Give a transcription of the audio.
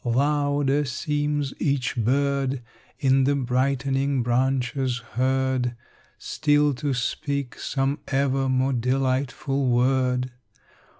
Louder seems each bird In the brightening branches heard Still to speak some ever more delightful word.